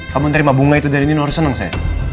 kamu terima bunga itu dari nino harus seneng saya